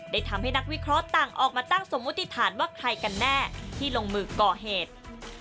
ทำให้นักวิเคราะห์ต่างออกมาตั้งสมมุติฐานว่าใครกันแน่ที่ลงมือก่อเหตุ